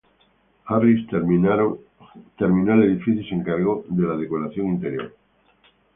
Harris terminaron el edificio y se encargaron de la decoración interior.